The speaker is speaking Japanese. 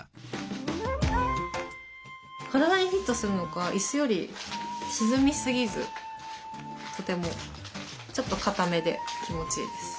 体にフィットするのか椅子より沈みすぎずとてもちょっとかためで気持ちいいです。